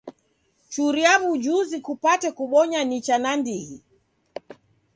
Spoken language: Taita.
Churia w'ujuzi kupate kubonya nicha nandighi.